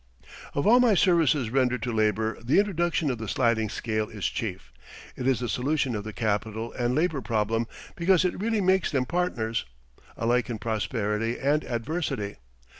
] Of all my services rendered to labor the introduction of the sliding scale is chief. It is the solution of the capital and labor problem, because it really makes them partners alike in prosperity and adversity.